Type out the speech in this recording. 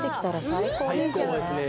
最高ですね